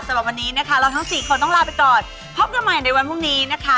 สำหรับวันนี้นะคะเราทั้งสี่คนต้องลาไปก่อนพบกันใหม่ในวันพรุ่งนี้นะคะ